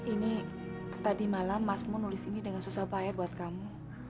ini tadi malam masmu nulis ini dengan susah payah buat kamu